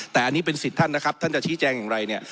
แต่อันนี้เป็นสิทธิ์ท่านนะครับท่านจะชี้แจงอย่างไรเนี่ย